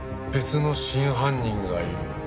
別の真犯人がいる。